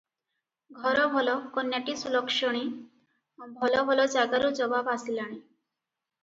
ଘର ଭଲ, କନ୍ୟାଟି ସୁଲକ୍ଷଣୀ, ଭଲ ଭଲ ଜାଗାରୁ ଜବାବ ଆସିଲାଣି ।